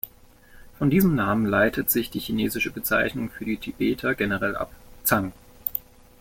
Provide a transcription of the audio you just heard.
Von diesem Namen leitet sich die chinesische Bezeichnung für die Tibeter generell ab: „Zang“.